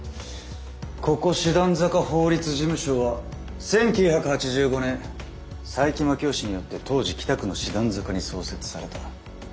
ここ師団坂法律事務所は１９８５年佐伯真樹夫氏によって当時北区の師団坂に創設された。